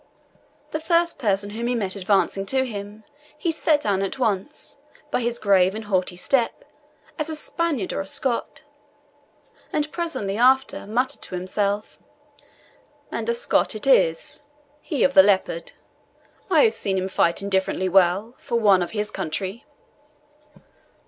The first person whom he met advancing to him he set down at once, by his grave and haughty step, as a Spaniard or a Scot; and presently after muttered to himself, "And a Scot it is he of the Leopard. I have seen him fight indifferently well, for one of his country."